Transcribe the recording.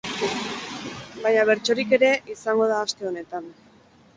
Baina bertsorik ere izango da aste honetan.